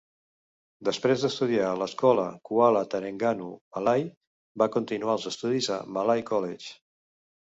Després d'estudiar a l'escola Kuala Terengganu Malay, va continuar els estudis al Malay College.